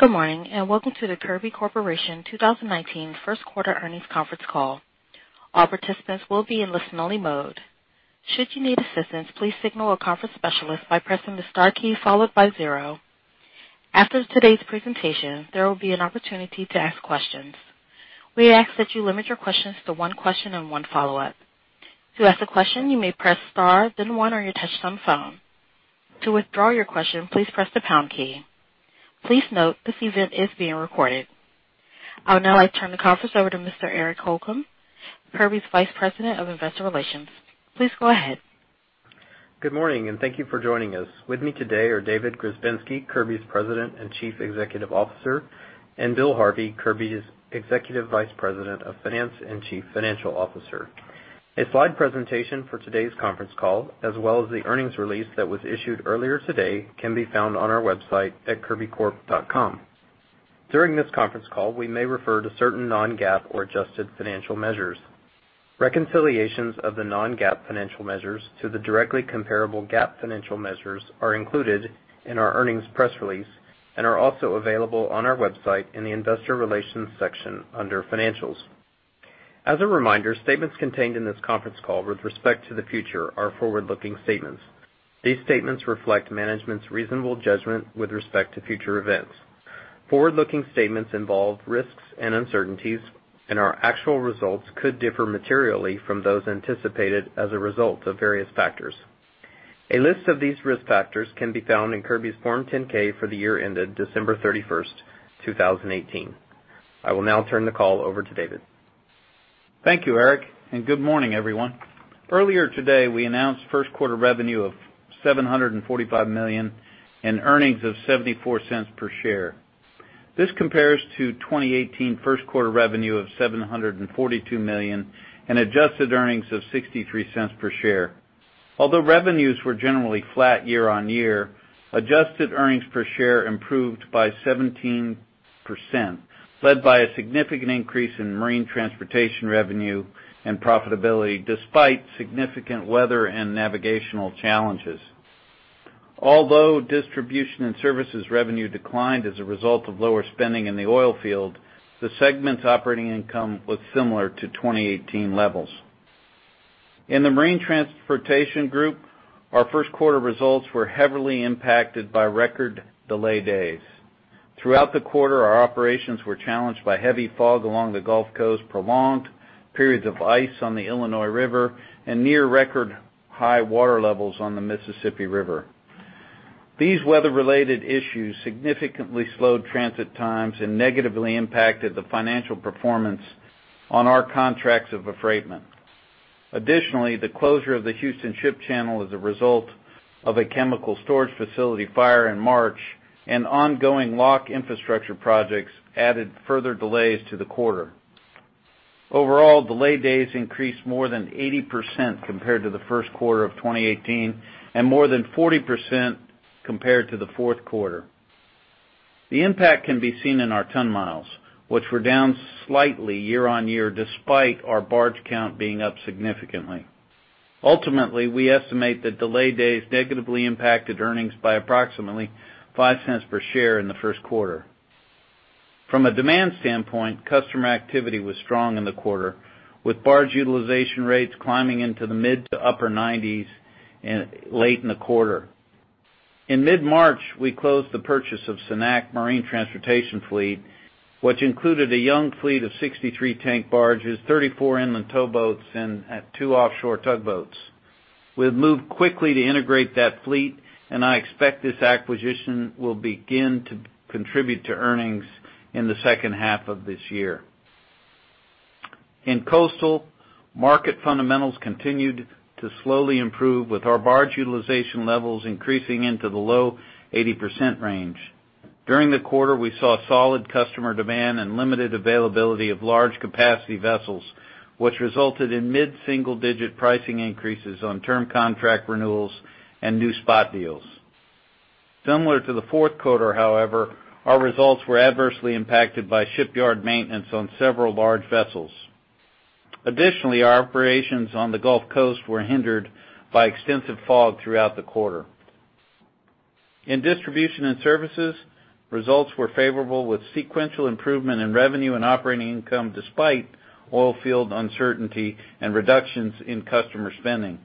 Good morning, and welcome to the Kirby Corporation 2019 First Quarter Earnings Conference Call. All participants will be in listen-only mode. Should you need assistance, please signal a conference specialist by pressing the star key followed by zero. After today's presentation, there will be an opportunity to ask questions. We ask that you limit your questions to one question and one follow-up. To ask a question, you may press star, then one on your touchtone phone. To withdraw your question, please press the pound key. Please note, this event is being recorded. I would now like to turn the conference over to Mr. Eric Holcomb, Kirby's Vice President of Investor Relations. Please go ahead. Good morning, and thank you for joining us. With me today are David Grzebinski, Kirby's President and Chief Executive Officer, and Bill Harvey, Kirby's Executive Vice President of Finance and Chief Financial Officer. A slide presentation for today's conference call, as well as the earnings release that was issued earlier today, can be found on our website at kirbycorp.com. During this conference call, we may refer to certain non-GAAP or adjusted financial measures. Reconciliations of the non-GAAP financial measures to the directly comparable GAAP financial measures are included in our earnings press release and are also available on our website in the Investor Relations section under Financials. As a reminder, statements contained in this conference call with respect to the future are forward-looking statements. These statements reflect management's reasonable judgment with respect to future events. Forward-looking statements involve risks and uncertainties, and our actual results could differ materially from those anticipated as a result of various factors. A list of these risk factors can be found in Kirby's Form 10-K for the year ended December 31st, 2018. I will now turn the call over to David. Thank you, Eric, and good morning, everyone. Earlier today, we announced first quarter revenue of $745 million and earnings of $0.74 per share. This compares to 2018 first quarter revenue of $742 million and adjusted earnings of $0.63 per share. Although revenues were generally flat year-on-year, adjusted earnings per share improved by 17%, led by a significant increase in marine transportation revenue and profitability despite significant weather and navigational challenges. Although distribution and services revenue declined as a result of lower spending in the oil field, the segment's operating income was similar to 2018 levels. In the Marine Transportation group, our first quarter results were heavily impacted by record delay days. Throughout the quarter, our operations were challenged by heavy fog along the Gulf Coast, prolonged periods of ice on the Illinois River, and near record high water levels on the Mississippi River. These weather-related issues significantly slowed transit times and negatively impacted the financial performance on our contracts of affreightment. Additionally, the closure of the Houston Ship Channel as a result of a chemical storage facility fire in March and ongoing lock infrastructure projects added further delays to the quarter. Overall, delay days increased more than 80% compared to the first quarter of 2018, and more than 40% compared to the fourth quarter. The impact can be seen in our ton miles, which were down slightly year-on-year, despite our barge count being up significantly. Ultimately, we estimate that delay days negatively impacted earnings by approximately $0.05 per share in the first quarter. From a demand standpoint, customer activity was strong in the quarter, with barge utilization rates climbing into the mid- to upper 90s in late in the quarter. In mid-March, we closed the purchase of Cenac Marine Transportation Fleet, which included a young fleet of 63 tank barges, 34 inland towboats, and two offshore tugboats. We have moved quickly to integrate that fleet, and I expect this acquisition will begin to contribute to earnings in the second half of this year. In coastal, market fundamentals continued to slowly improve, with our barge utilization levels increasing into the low 80% range. During the quarter, we saw solid customer demand and limited availability of large capacity vessels, which resulted in mid-single-digit pricing increases on term contract renewals and new spot deals. Similar to the fourth quarter, however, our results were adversely impacted by shipyard maintenance on several large vessels. Additionally, our operations on the Gulf Coast were hindered by extensive fog throughout the quarter. In distribution and services, results were favorable, with sequential improvement in revenue and operating income despite oil field uncertainty and reductions in customer spending.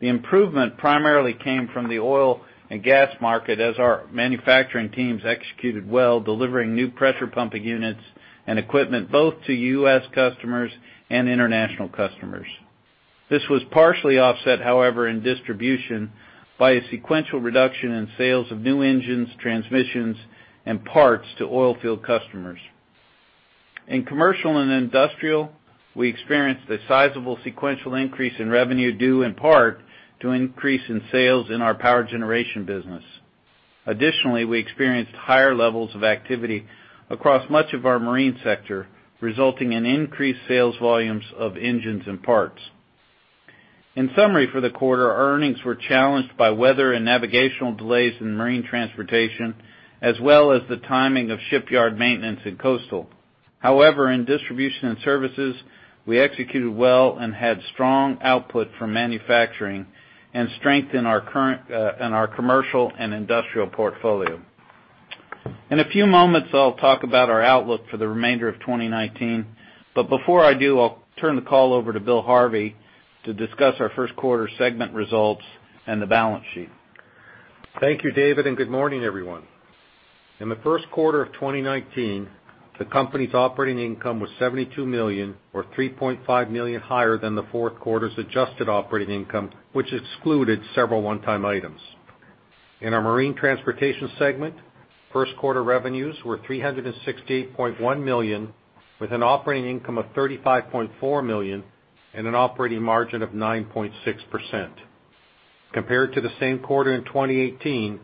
The improvement primarily came from the oil and gas market, as our manufacturing teams executed well, delivering new pressure pumping units and equipment, both to U.S. customers and international customers. This was partially offset, however, in distribution by a sequential reduction in sales of new engines, transmissions, and parts to oil field customers. In commercial and industrial, we experienced a sizable sequential increase in revenue, due in part to increase in sales in our power generation business. Additionally, we experienced higher levels of activity across much of our marine sector, resulting in increased sales volumes of engines and parts. In summary, for the quarter, our earnings were challenged by weather and navigational delays in marine transportation, as well as the timing of shipyard maintenance in coastal marine. However, in distribution and services, we executed well and had strong output from manufacturing and strength in our current, in our commercial and industrial portfolio. In a few moments, I'll talk about our outlook for the remainder of 2019, but before I do, I'll turn the call over to Bill Harvey to discuss our first quarter segment results and the balance sheet. Thank you, David, and good morning, everyone. In the first quarter of 2019, the company's operating income was $72 million or $3.5 million higher than the fourth quarter's adjusted operating income, which excluded several one-time items. In our marine transportation segment, first quarter revenues were $368.1 million, with an operating income of $35.4 million and an operating margin of 9.6%. Compared to the same quarter in 2018,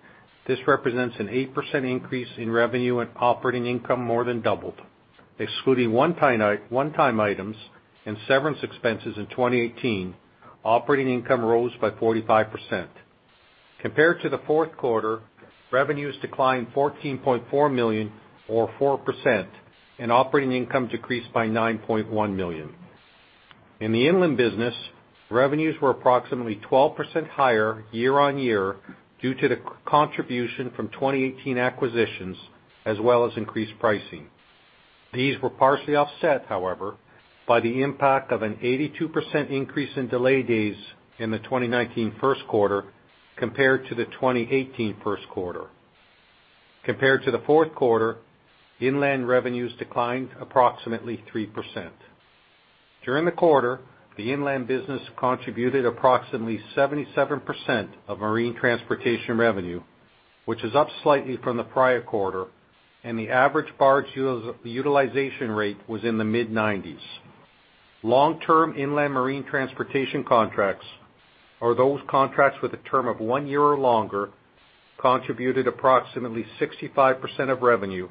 this represents an 8% increase in revenue and operating income more than doubled. Excluding one-time items and severance expenses in 2018, operating income rose by 45%. Compared to the fourth quarter, revenues declined $14.4 million or 4%, and operating income decreased by $9.1 million. In the inland business, revenues were approximately 12% higher year-on-year due to the contribution from 2018 acquisitions, as well as increased pricing. These were partially offset, however, by the impact of an 82% increase in delay days in the 2019 first quarter compared to the 2018 first quarter. Compared to the fourth quarter, inland revenues declined approximately 3%. During the quarter, the inland business contributed approximately 77% of marine transportation revenue, which is up slightly from the prior quarter, and the average barge utilization rate was in the mid-90s. Long-term inland marine transportation contracts, or those contracts with a term of 1 year or longer, contributed approximately 65% of revenue,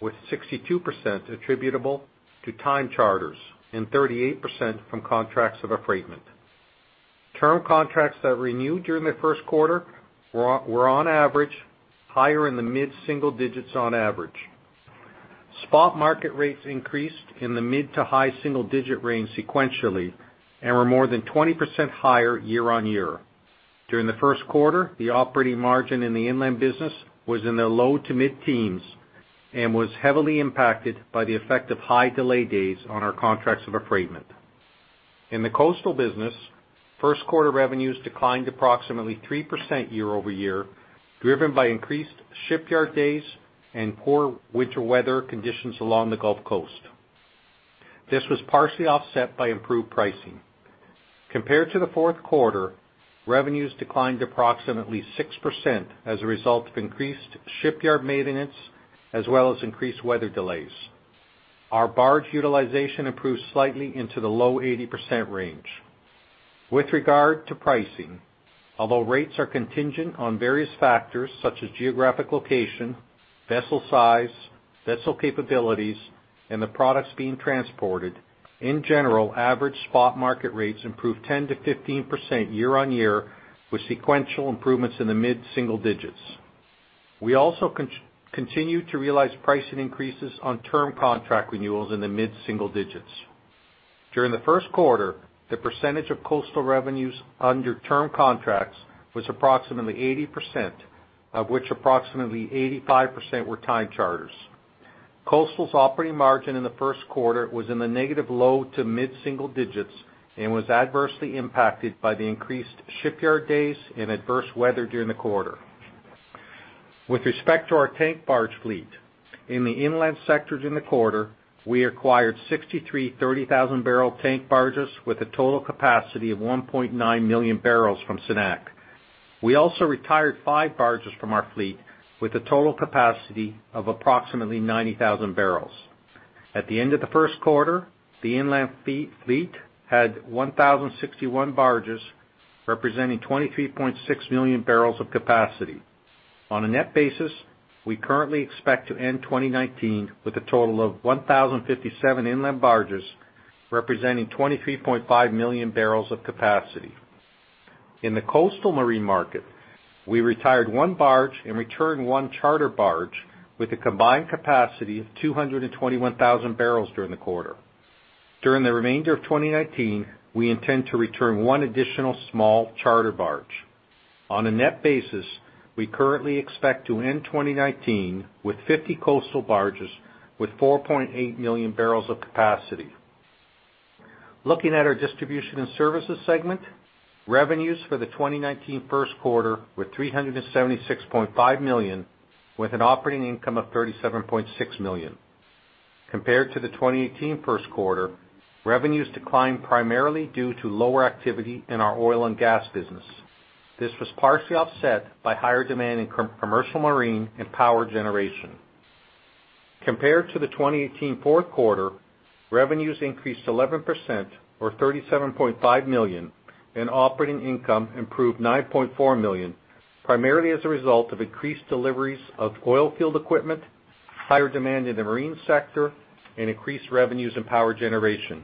with 62% attributable to time charters and 38% from contracts of affreightment. Term contracts that renewed during the first quarter were on average higher in the mid-single digits on average. Spot market rates increased in the mid- to high-single-digit range sequentially and were more than 20% higher year-over-year. During the first quarter, the operating margin in the inland business was in the low- to mid-teens and was heavily impacted by the effect of high delay days on our contracts of affreightment. In the coastal business, first quarter revenues declined approximately 3% year-over-year, driven by increased shipyard days and poor winter weather conditions along the Gulf Coast. This was partially offset by improved pricing. Compared to the fourth quarter, revenues declined approximately 6% as a result of increased shipyard maintenance, as well as increased weather delays. Our barge utilization improved slightly into the low 80% range. With regard to pricing, although rates are contingent on various factors such as geographic location, vessel size, vessel capabilities, and the products being transported, in general, average spot market rates improved 10%-15% year-on-year, with sequential improvements in the mid-single digits. We also continue to realize pricing increases on term contract renewals in the mid-single digits. During the first quarter, the percentage of coastal revenues under term contracts was approximately 80%, of which approximately 85% were time charters. Coastal's operating margin in the first quarter was in the negative low- to mid-single digits and was adversely impacted by the increased shipyard days and adverse weather during the quarter. With respect to our tank barge fleet, in the inland sectors in the quarter, we acquired 63 30,000-barrel tank barges with a total capacity of 1.9 million barrels from Cenac. We also retired 5 barges from our fleet with a total capacity of approximately 90,000 barrels. At the end of the first quarter, the inland fleet had 1,061 barges, representing 23.6 million barrels of capacity. On a net basis, we currently expect to end 2019 with a total of 1,057 inland barges, representing 23.5 million barrels of capacity. In the coastal marine market, we retired one barge and returned one charter barge with a combined capacity of 221,000 barrels during the quarter. During the remainder of 2019, we intend to return one additional small charter barge. On a net basis, we currently expect to end 2019 with 50 coastal barges with 4.8 million barrels of capacity. Looking at our distribution and services segment, revenues for the 2019 first quarter were $376.5 million, with an operating income of $37.6 million. Compared to the 2018 first quarter, revenues declined primarily due to lower activity in our oil and gas business. This was partially offset by higher demand in commercial marine and power generation. Compared to the 2018 fourth quarter, revenues increased 11% or $37.5 million, and operating income improved $9.4 million, primarily as a result of increased deliveries of oilfield equipment, higher demand in the marine sector, and increased revenues in power generation.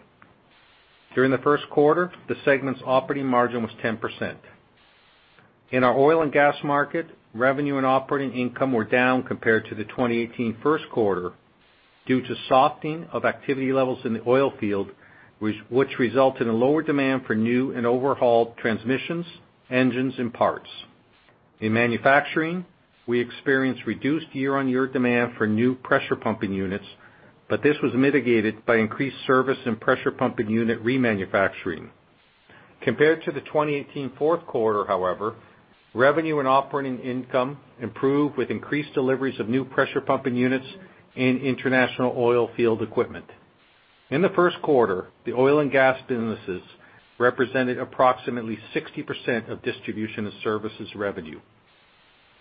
During the first quarter, the segment's operating margin was 10%. In our oil and gas market, revenue and operating income were down compared to the 2018 first quarter, due to softening of activity levels in the oil field, which resulted in a lower demand for new and overhauled transmissions, engines and parts. In manufacturing, we experienced reduced year-on-year demand for new pressure pumping units, but this was mitigated by increased service and pressure pumping unit remanufacturing. Compared to the 2018 fourth quarter, however, revenue and operating income improved with increased deliveries of new pressure pumping units and international oil field equipment. In the first quarter, the oil and gas businesses represented approximately 60% of distribution and services revenue.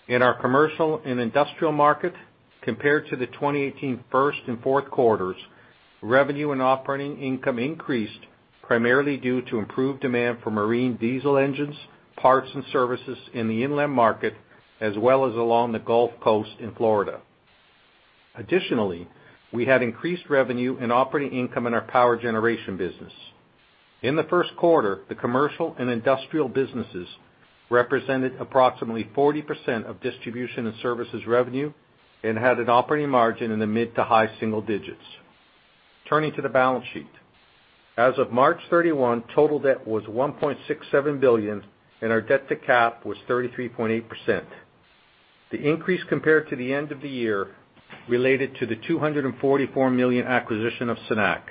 In our commercial and industrial market, compared to the 2018 first and fourth quarters, revenue and operating income increased primarily due to improved demand for marine diesel engines, parts, and services in the inland market, as well as along the Gulf Coast in Florida. Additionally, we had increased revenue and operating income in our power generation business. In the first quarter, the commercial and industrial businesses represented approximately 40% of distribution and services revenue and had an operating margin in the mid to high single digits. Turning to the balance sheet. As of March 31, total debt was $1.67 billion, and our debt-to-cap was 33.8%. The increase, compared to the end of the year, related to the $244 million acquisition of Cenac.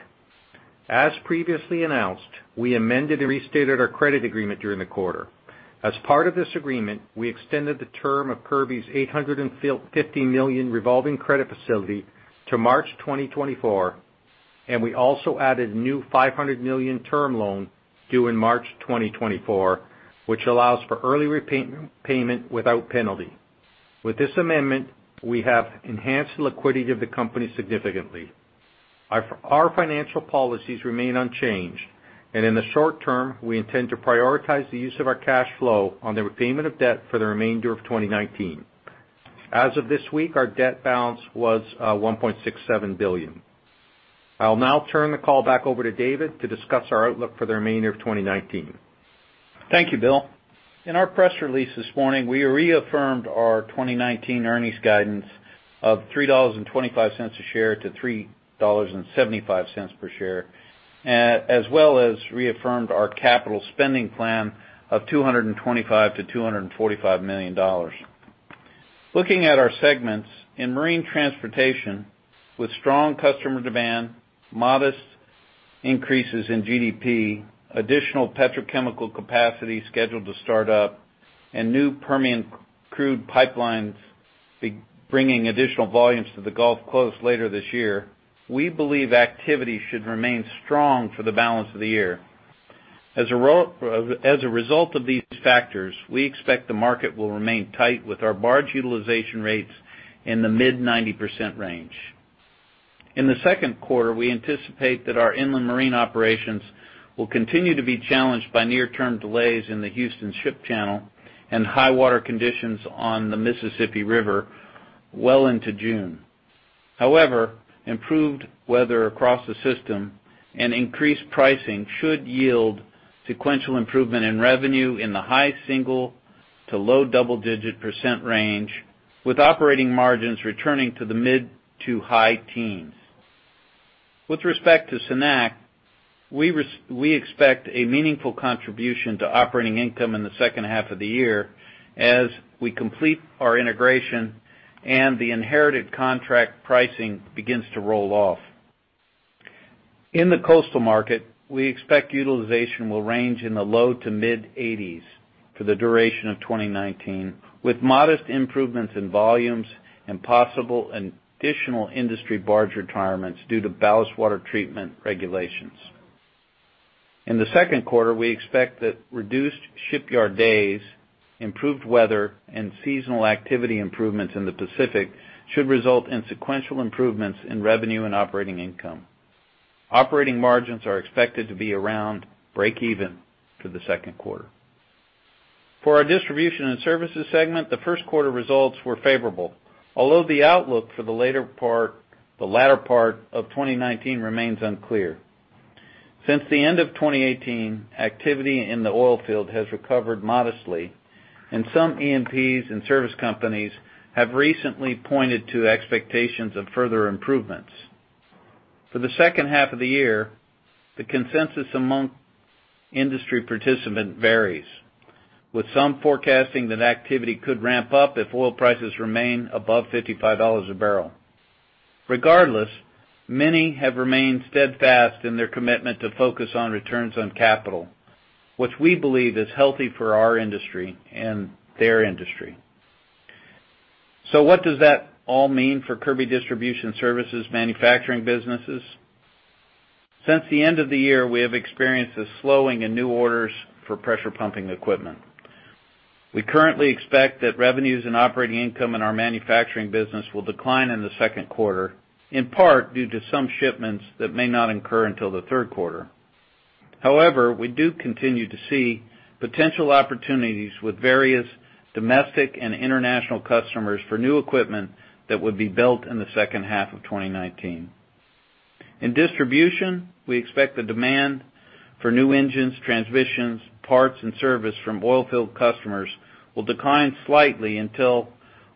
As previously announced, we amended and restated our credit agreement during the quarter. As part of this agreement, we extended the term of Kirby's $850 million revolving credit facility to March 2024, and we also added a new $500 million term loan due in March 2024, which allows for early repayment, payment without penalty. With this amendment, we have enhanced the liquidity of the company significantly. Our financial policies remain unchanged, and in the short term, we intend to prioritize the use of our cash flow on the repayment of debt for the remainder of 2019. As of this week, our debt balance was $1.67 billion. I'll now turn the call back over to David to discuss our outlook for the remainder of 2019. Thank you, Bill. In our press release this morning, we reaffirmed our 2019 earnings guidance of $3.25 a share to $3.75 per share, as well as reaffirmed our capital spending plan of $225 million-$245 million. Looking at our segments, in marine transportation, with strong customer demand, modest increases in GDP, additional petrochemical capacity scheduled to start up, and new Permian crude pipelines bringing additional volumes to the Gulf Coast later this year, we believe activity should remain strong for the balance of the year. As a result of these factors, we expect the market will remain tight with our barge utilization rates in the mid-90% range. In the second quarter, we anticipate that our inland marine operations will continue to be challenged by near-term delays in the Houston Ship Channel and high water conditions on the Mississippi River well into June. However, improved weather across the system and increased pricing should yield sequential improvement in revenue in the high single- to low double-digit % range, with operating margins returning to the mid- to high-teens %. With respect to Cenac, we expect a meaningful contribution to operating income in the second half of the year as we complete our integration and the inherited contract pricing begins to roll off. In the coastal market, we expect utilization will range in the low- to mid-80s % for the duration of 2019, with modest improvements in volumes and possible additional industry barge retirements due to ballast water treatment regulations. In the second quarter, we expect that reduced shipyard days, improved weather, and seasonal activity improvements in the Pacific should result in sequential improvements in revenue and operating income. Operating margins are expected to be around breakeven for the second quarter. For our distribution and services segment, the first quarter results were favorable, although the outlook for the latter part of 2019 remains unclear. Since the end of 2018, activity in the oil field has recovered modestly, and some E&Ps and service companies have recently pointed to expectations of further improvements. For the second half of the year, the consensus among industry participant varies, with some forecasting that activity could ramp up if oil prices remain above $55 a barrel. Regardless, many have remained steadfast in their commitment to focus on returns on capital, which we believe is healthy for our industry and their industry. So what does that all mean for Kirby Distribution Services manufacturing businesses? Since the end of the year, we have experienced a slowing in new orders for pressure pumping equipment. We currently expect that revenues and operating income in our manufacturing business will decline in the second quarter, in part due to some shipments that may not incur until the third quarter. However, we do continue to see potential opportunities with various domestic and international customers for new equipment that would be built in the second half of 2019. In distribution, we expect the demand for new engines, transmissions, parts, and service from oil field customers will decline slightly until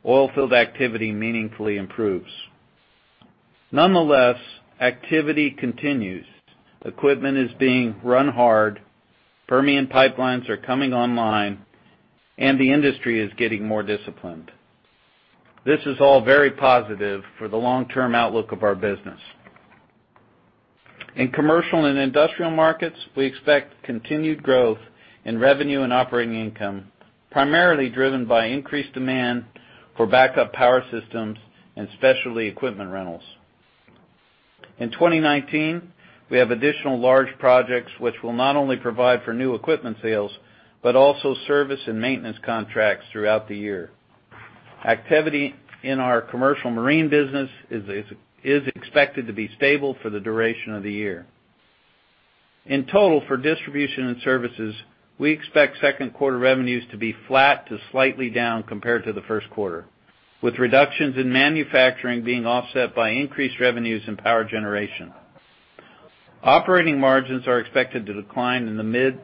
oil field activity meaningfully improves. Nonetheless, activity continues, equipment is being run hard, Permian pipelines are coming online, and the industry is getting more disciplined. This is all very positive for the long-term outlook of our business. In commercial and industrial markets, we expect continued growth in revenue and operating income, primarily driven by increased demand for backup power systems and specialty equipment rentals. In 2019, we have additional large projects, which will not only provide for new equipment sales, but also service and maintenance contracts throughout the year. Activity in our commercial marine business is expected to be stable for the duration of the year. In total, for distribution and services, we expect second quarter revenues to be flat to slightly down compared to the first quarter, with reductions in manufacturing being offset by increased revenues in power generation. Operating margins are expected to decline in the mid-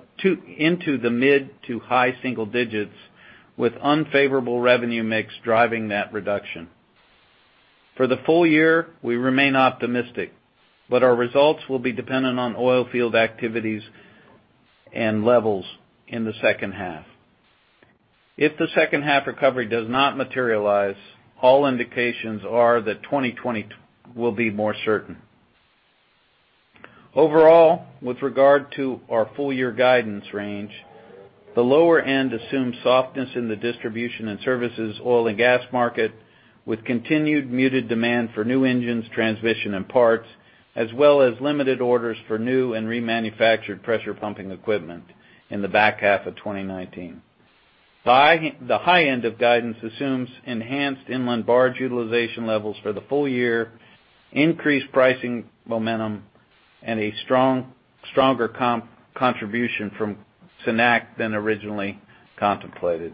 to high single digits, with unfavorable revenue mix driving that reduction. For the full year, we remain optimistic, but our results will be dependent on oil field activities and levels in the second half. If the second half recovery does not materialize, all indications are that 2020 will be more certain. Overall, with regard to our full year guidance range, the lower end assumes softness in the distribution and services oil and gas market, with continued muted demand for new engines, transmission, and parts, as well as limited orders for new and remanufactured pressure pumping equipment in the back half of 2019. The high end of guidance assumes enhanced inland barge utilization levels for the full year, increased pricing momentum, and a stronger contribution from Cenac than originally contemplated.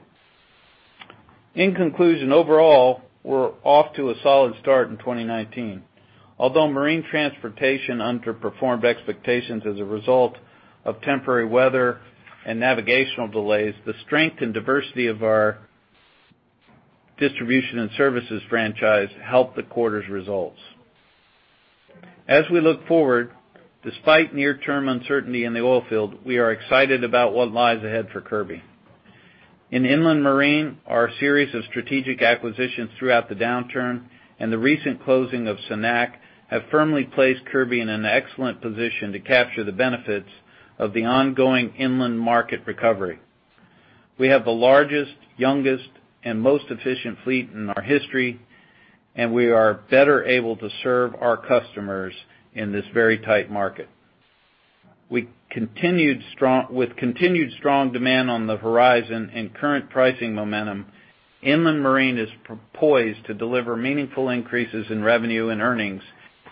In conclusion, overall, we're off to a solid start in 2019. Although marine transportation underperformed expectations as a result of temporary weather and navigational delays, the strength and diversity of our distribution and services franchise helped the quarter's results. As we look forward, despite near-term uncertainty in the oil field, we are excited about what lies ahead for Kirby. In inland marine, our series of strategic acquisitions throughout the downturn and the recent closing of Cenac have firmly placed Kirby in an excellent position to capture the benefits of the ongoing inland market recovery. We have the largest, youngest, and most efficient fleet in our history, and we are better able to serve our customers in this very tight market. With continued strong demand on the horizon and current pricing momentum, inland marine is poised to deliver meaningful increases in revenue and earnings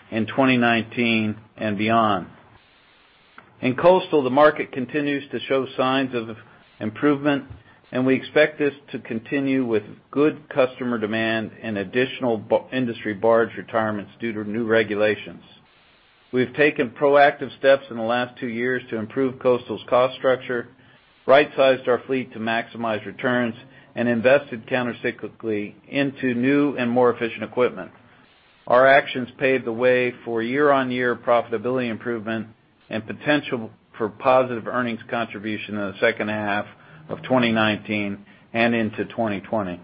in 2019 and beyond. In coastal, the market continues to show signs of improvement, and we expect this to continue with good customer demand and additional industry barge retirements due to new regulations. We've taken proactive steps in the last two years to improve coastal's cost structure, right-sized our fleet to maximize returns, and invested countercyclically into new and more efficient equipment. Our actions paved the way for year-on-year profitability improvement and potential for positive earnings contribution in the second half of 2019 and into 2020.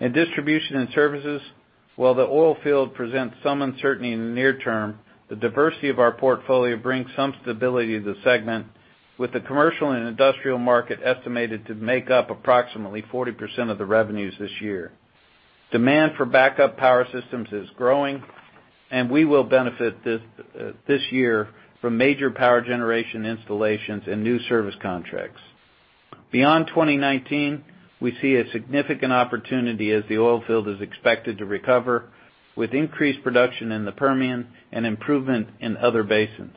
In distribution and services, while the oil field presents some uncertainty in the near term, the diversity of our portfolio brings some stability to the segment, with the commercial and industrial market estimated to make up approximately 40% of the revenues this year. Demand for backup power systems is growing, and we will benefit this year from major power generation installations and new service contracts. Beyond 2019, we see a significant opportunity as the oil field is expected to recover, with increased production in the Permian and improvement in other basins.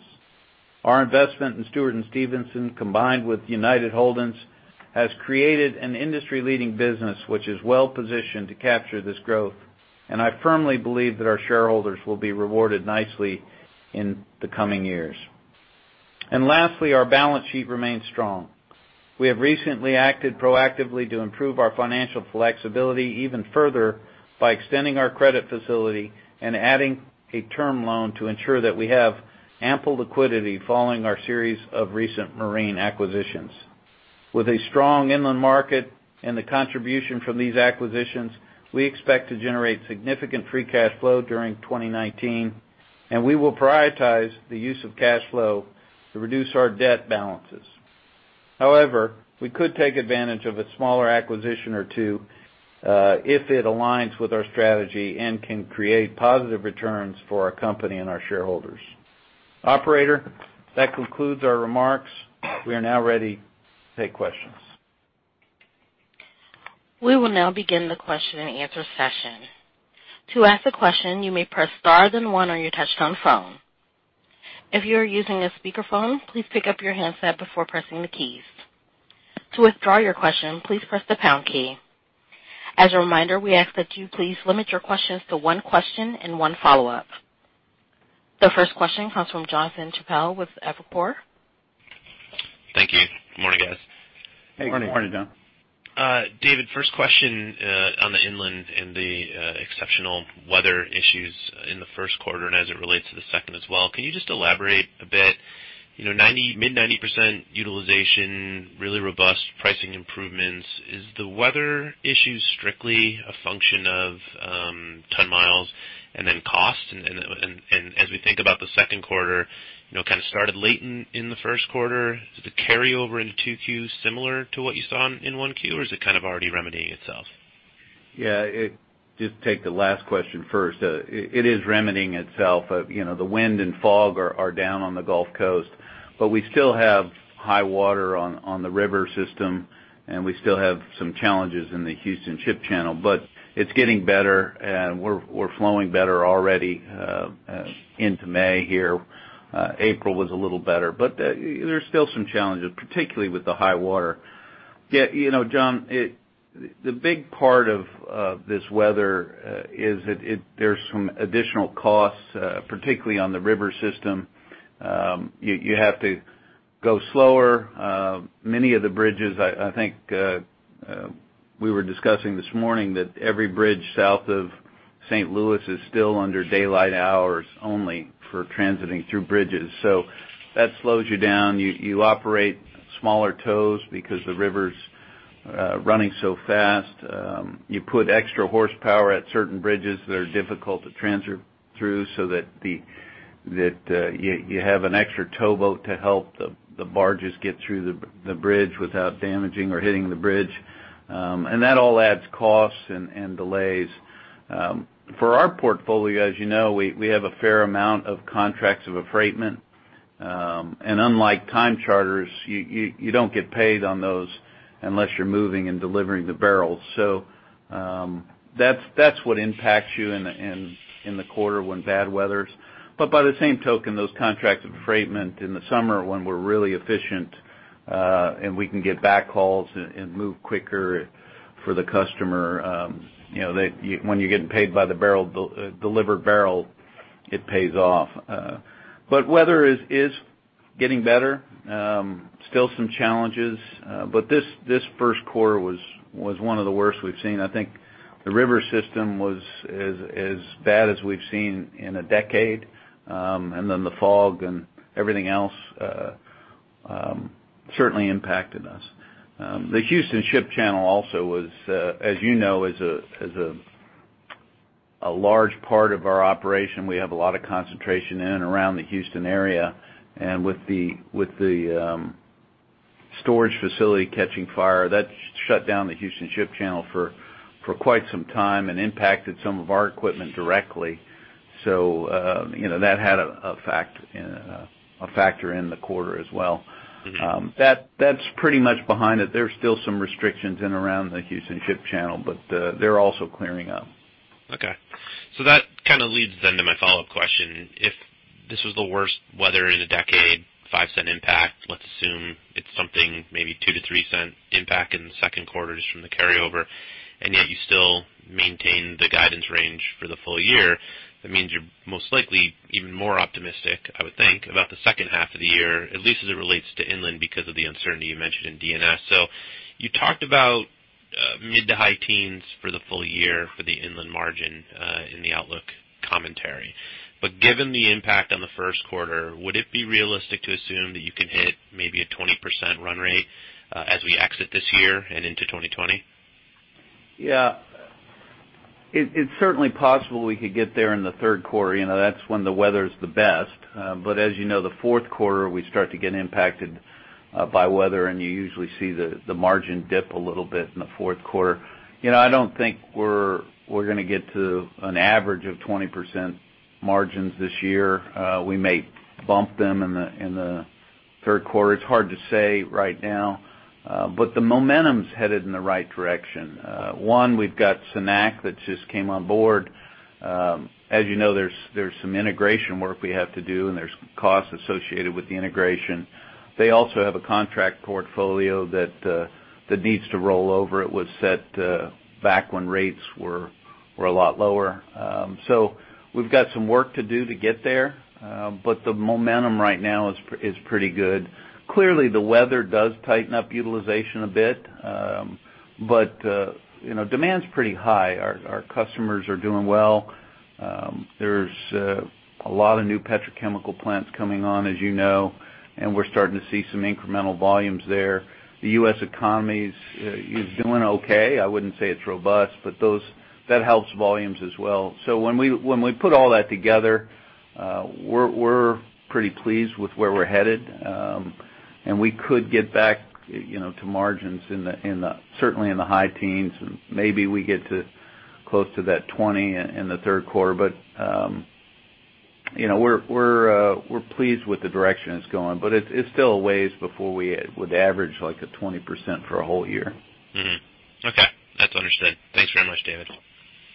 Our investment in Stewart & Stevenson, combined with United Holdings, has created an industry-leading business, which is well positioned to capture this growth, and I firmly believe that our shareholders will be rewarded nicely in the coming years. Lastly, our balance sheet remains strong. We have recently acted proactively to improve our financial flexibility even further by extending our credit facility and adding a term loan to ensure that we have ample liquidity following our series of recent marine acquisitions. With a strong inland market and the contribution from these acquisitions, we expect to generate significant free cash flow during 2019, and we will prioritize the use of cash flow to reduce our debt balances. However, we could take advantage of a smaller acquisition or two, if it aligns with our strategy and can create positive returns for our company and our shareholders. Operator, that concludes our remarks. We are now ready to take questions. We will now begin the question and answer session. To ask a question, you may press star then one on your touchtone phone.... If you are using a speakerphone, please pick up your handset before pressing the keys. To withdraw your question, please press the pound key. As a reminder, we ask that you please limit your questions to one question and one follow-up. The first question comes from Jonathan Chappell with Evercore. Thank you. Good morning, guys. Good morning, John. David, first question, on the inland and the exceptional weather issues in the first quarter, and as it relates to the second as well. Can you just elaborate a bit? You know, mid-90% utilization, really robust pricing improvements. Is the weather issue strictly a function of ton-miles and then cost? And as we think about the second quarter, you know, kind of started late in the first quarter, is the carryover into 2Q similar to what you saw in 1Q, or is it kind of already remedying itself? Yeah, it just take the last question first. It is remedying itself. You know, the wind and fog are down on the Gulf Coast, but we still have high water on the river system, and we still have some challenges in the Houston Ship Channel. But it's getting better, and we're flowing better already into May here. April was a little better, but there's still some challenges, particularly with the high water. Yet, you know, John, it, the big part of this weather is that there's some additional costs, particularly on the river system. You have to go slower. Many of the bridges, I think, we were discussing this morning that every bridge south of St. Louis is still under daylight hours only for transiting through bridges. So that slows you down. You, you operate smaller tows because the river's running so fast. You put extra horsepower at certain bridges that are difficult to transit through so that the, that, you, you have an extra towboat to help the, the barges get through the, the bridge without damaging or hitting the bridge. And that all adds costs and, and delays. For our portfolio, as you know, we, we have a fair amount of contracts of affreightment. And unlike time charters, you, you, you don't get paid on those unless you're moving and delivering the barrels. So, that's, that's what impacts you in, in, in the quarter when bad weathers. But by the same token, those contracts of affreightment in the summer, when we're really efficient, and we can get back hauls and move quicker for the customer, you know, they—when you're getting paid by the barrel, the delivered barrel, it pays off. But weather is getting better. Still some challenges, but this first quarter was one of the worst we've seen. I think the river system was as bad as we've seen in a decade. And then the fog and everything else certainly impacted us. The Houston Ship Channel also was, as you know, is a large part of our operation. We have a lot of concentration in and around the Houston area. With the storage facility catching fire, that shut down the Houston Ship Channel for quite some time and impacted some of our equipment directly. So, you know, that had a factor in the quarter as well. Mm-hmm. That's pretty much behind it. There's still some restrictions in and around the Houston Ship Channel, but they're also clearing up. Okay. So that kind of leads then to my follow-up question. If this was the worst weather in a decade, $0.05 impact, let's assume it's something maybe $0.02-$0.03 impact in the second quarter just from the carryover, and yet you still maintain the guidance range for the full year. That means you're most likely even more optimistic, I would think, about the second half of the year, at least as it relates to inland, because of the uncertainty you mentioned in D&S. So you talked about, mid to high teens for the full year for the inland margin, in the outlook commentary. But given the impact on the first quarter, would it be realistic to assume that you can hit maybe a 20% run rate, as we exit this year and into 2020? Yeah. It's certainly possible we could get there in the third quarter. You know, that's when the weather's the best. But as you know, the fourth quarter, we start to get impacted by weather, and you usually see the margin dip a little bit in the fourth quarter. You know, I don't think we're gonna get to an average of 20% margins this year. We may bump them in the third quarter. It's hard to say right now, but the momentum's headed in the right direction. One, we've got Cenac that just came on board. As you know, there's some integration work we have to do, and there's costs associated with the integration. They also have a contract portfolio that needs to roll over. It was set back when rates were a lot lower. So we've got some work to do to get there, but the momentum right now is pretty good. Clearly, the weather does tighten up utilization a bit, but you know, demand's pretty high. Our customers are doing well. There's a lot of new petrochemical plants coming on, as you know, and we're starting to see some incremental volumes there. The U.S. economy is doing okay. I wouldn't say it's robust, but that helps volumes as well. So when we put all that together, we're pretty pleased with where we're headed. And we could get back, you know, to margins in the certainly in the high teens, and maybe we get to close to that 20 in the third quarter. But, you know, we're pleased with the direction it's going, but it's still a ways before we would average, like, a 20% for a whole year. Mm-hmm. Okay....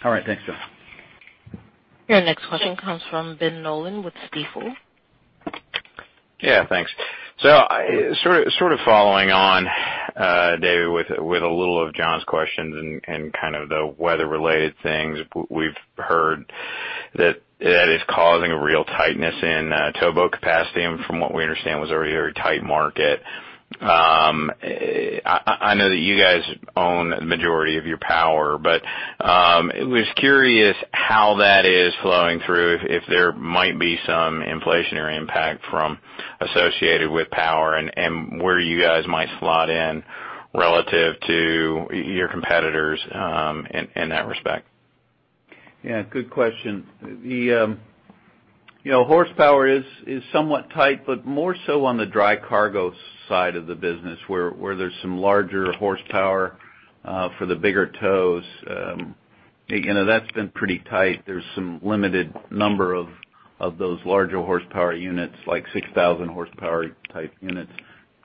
All right, thanks, John. Your next question comes from Ben Nolan with Stifel. Yeah, thanks. So, sort of following on, David, with a little of John's questions and kind of the weather-related things. We've heard that that is causing a real tightness in towboat capacity, and from what we understand, was already a very tight market. I know that you guys own the majority of your power, but was curious how that is flowing through, if there might be some inflationary impact from associated with power, and where you guys might slot in relative to your competitors, in that respect? Yeah, good question. The, you know, horsepower is, is somewhat tight, but more so on the dry cargo side of the business, where, where there's some larger horsepower, for the bigger tows. You know, that's been pretty tight. There's some limited number of, of those larger horsepower units, like 6,000 horsepower-type units.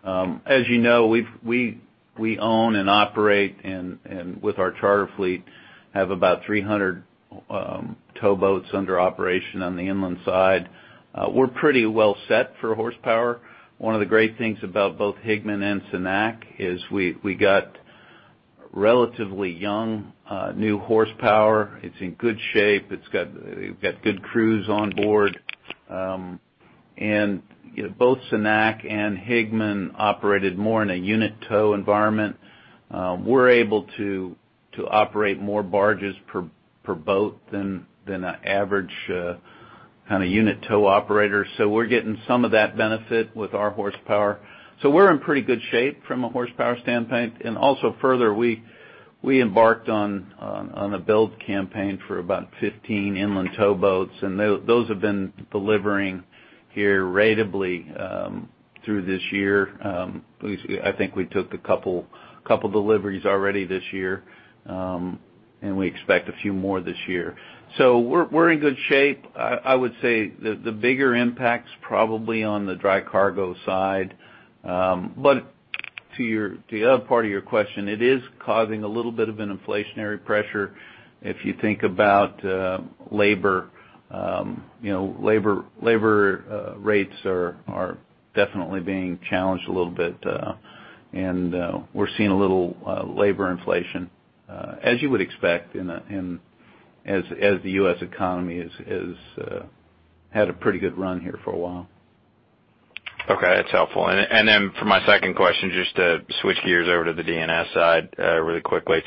As you know, we've- we, we own and operate, and, and with our charter fleet, have about 300 towboats under operation on the inland side. We're pretty well set for horsepower. One of the great things about both Higman and Cenac is we, we got relatively young, new horsepower. It's in good shape. It's got, we've got good crews on board. And, you know, both Cenac and Higman operated more in a unit tow environment. We're able to operate more barges per boat than an average kind of unit tow operator. So we're getting some of that benefit with our horsepower. So we're in pretty good shape from a horsepower standpoint. And also further, we embarked on a build campaign for about 15 inland towboats, and those have been delivering here ratably through this year. I think we took a couple deliveries already this year, and we expect a few more this year. So we're in good shape. I would say the bigger impact's probably on the dry cargo side. But the other part of your question, it is causing a little bit of an inflationary pressure if you think about labor. You know, labor rates are definitely being challenged a little bit, and we're seeing a little labor inflation, as you would expect as the U.S. economy is had a pretty good run here for a while. Okay, that's helpful. And then for my second question, just to switch gears over to the D&S side, really quickly.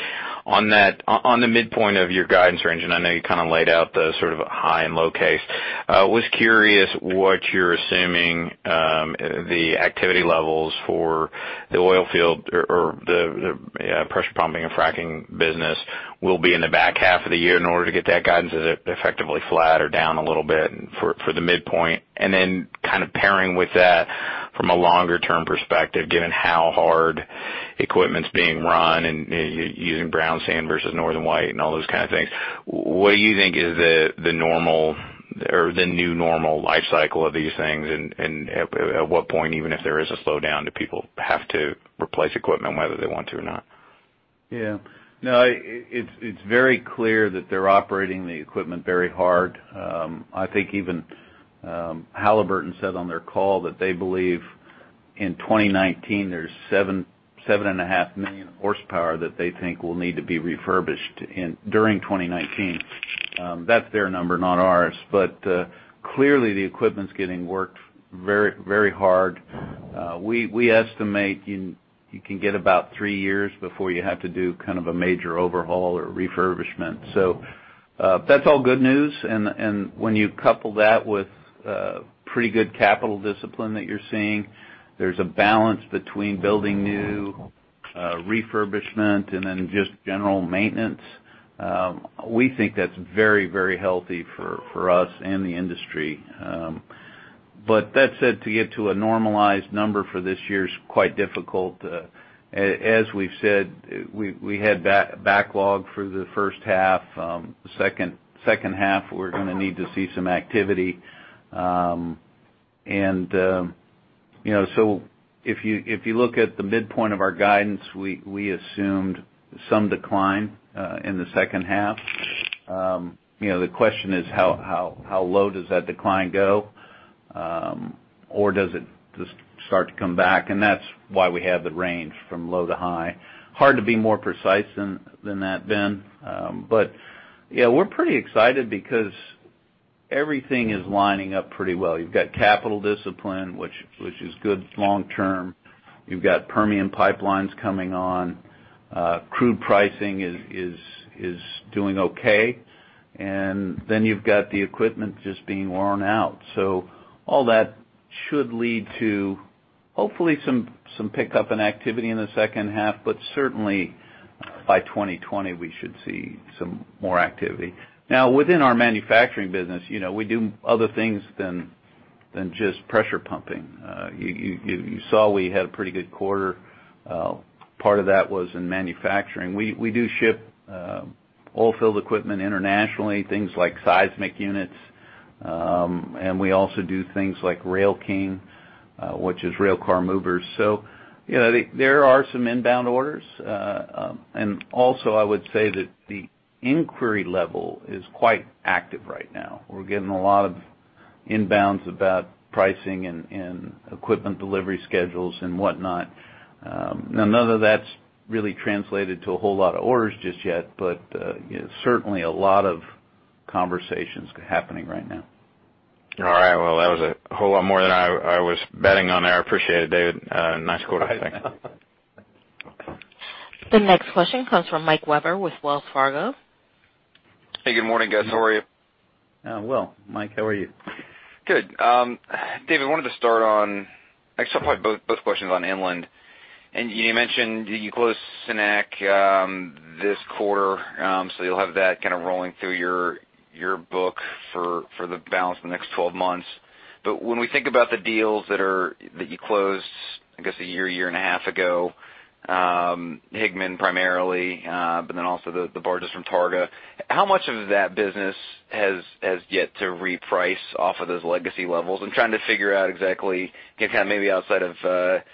On that. On the midpoint of your guidance range, and I know you kind of laid out the sort of high and low case, was curious what you're assuming, the activity levels for the oil field or the pressure pumping and fracking business will be in the back half of the year in order to get that guidance effectively flat or down a little bit for the midpoint? And then kind of pairing with that from a longer-term perspective, given how hard equipment's being run and using brown sand versus northern white and all those kind of things, what do you think is the normal or the new normal life cycle of these things, and at what point, even if there is a slowdown, do people have to replace equipment whether they want to or not? Yeah. No, it's very clear that they're operating the equipment very hard. I think even Halliburton said on their call that they believe in 2019, there's 7.5 million horsepower that they think will need to be refurbished in, during 2019. That's their number, not ours. But clearly, the equipment's getting worked very, very hard. We estimate you can get about three years before you have to do kind of a major overhaul or refurbishment. So that's all good news, and when you couple that with pretty good capital discipline that you're seeing, there's a balance between building new, refurbishment, and then just general maintenance. We think that's very, very healthy for us and the industry. But that said, to get to a normalized number for this year is quite difficult. As we've said, we had backlog through the first half, second half, we're going to need to see some activity. And you know, so if you look at the midpoint of our guidance, we assumed some decline in the second half. You know, the question is: How low does that decline go? Or does it just start to come back? And that's why we have the range from low to high. Hard to be more precise than that, Ben. But yeah, we're pretty excited because everything is lining up pretty well. You've got capital discipline, which is good long term. You've got Permian pipelines coming on. Crude pricing is doing okay. Then you've got the equipment just being worn out. So all that should lead to hopefully some pickup in activity in the second half, but certainly by 2020, we should see some more activity. Now, within our manufacturing business, you know, we do other things than just pressure pumping. You saw we had a pretty good quarter. Part of that was in manufacturing. We do ship oilfield equipment internationally, things like seismic units, and we also do things like Rail King, which is railcar movers. So, you know, there are some inbound orders. And also, I would say that the inquiry level is quite active right now. We're getting a lot of inbounds about pricing and equipment delivery schedules and whatnot. None of that's really translated to a whole lot of orders just yet, but certainly a lot of conversations happening right now. All right. Well, that was a whole lot more than I was betting on there. I appreciate it, David. Nice quarter. The next question comes from Mike Webber with Wells Fargo. Hey, good morning, guys. How are you? Well, Mike, how are you? Good. David, wanted to start on—actually, I'll probably both questions on inland. And you mentioned you closed Cenac this quarter, so you'll have that kind of rolling through your book for the balance of the next 12 months. But when we think about the deals that you closed, I guess, a year, year and a half ago, Higman primarily, but then also the barges from Targa, how much of that business has yet to reprice off of those legacy levels? I'm trying to figure out exactly, kind of maybe outside of Cenac, like,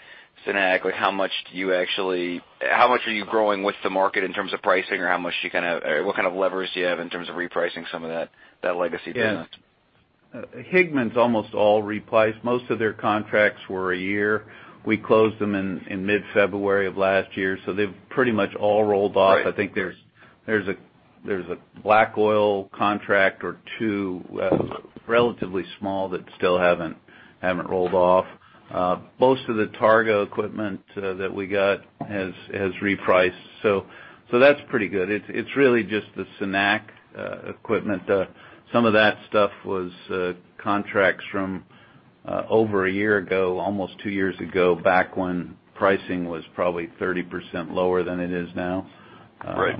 how much do you actually—how much are you growing with the market in terms of pricing, or how much do you kind of... Or what kind of levers do you have in terms of repricing some of that legacy business? Yeah. Higman's almost all repriced. Most of their contracts were a year. We closed them in mid-February of last year, so they've pretty much all rolled off. Right. I think there's a black oil contract or two, relatively small, that still haven't rolled off. Most of the Targa equipment that we got has repriced, so that's pretty good. It's really just the Cenac equipment. Some of that stuff was contracts from over a year ago, almost two years ago, back when pricing was probably 30% lower than it is now. Right.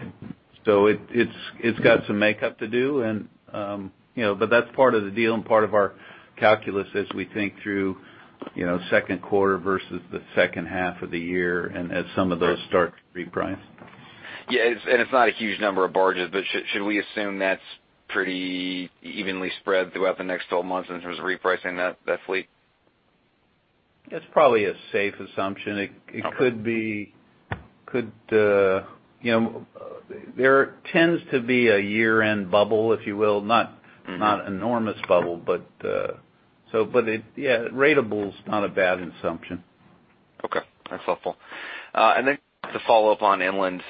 So it's got some makeup to do, and you know, but that's part of the deal and part of our calculus as we think through, you know, second quarter versus the second half of the year and as some of those start to reprice. Yeah, and it's not a huge number of barges, but should we assume that's pretty evenly spread throughout the next 12 months in terms of repricing that fleet? That's probably a safe assumption. Okay. You know, there tends to be a year-end bubble, if you will, not- Mm-hmm. Not enormous bubble, but ratable's not a bad assumption. Okay. That's helpful. And then to follow up on inland,